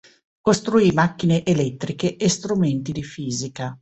Costruì macchine elettriche e strumenti di fisica.